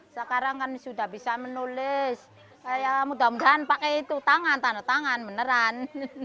sekarang kan sudah bisa menulis mudah mudahan pakai itu tangan tanda tangan beneran